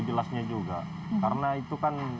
jelasnya juga karena itu kan